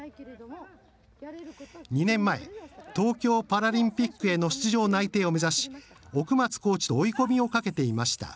２年前東京パラリンピックへの出場内定を目指し奥松コーチと追い込みをかけていました。